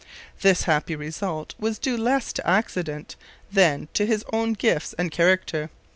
This happy result was due less to accident than to his own gifts and character.